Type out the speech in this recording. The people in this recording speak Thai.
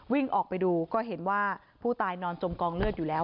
วิ่งออกไปดูก็เห็นว่าผู้ตายนอนจมกองเลือดอยู่แล้ว